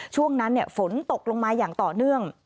ช่วงนั้นฝนตกลงมาอย่างต่อเนื่อง